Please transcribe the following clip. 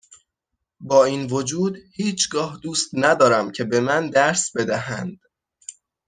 با این وجود هیچگاه دوست ندارم که به من درس بدهند